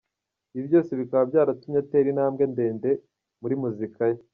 ibi byose bikaba byaratumye atera intambwe ndende muri muzika ye.